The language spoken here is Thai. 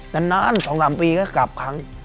นาน๒๓ปีก็กลับครั้ง